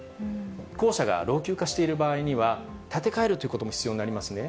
校舎が老朽化している場合には、建て替えるということも必要になりますね。